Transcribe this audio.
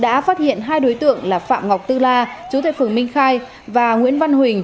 đã phát hiện hai đối tượng là phạm ngọc tư la chú tại phường minh khai và nguyễn văn huỳnh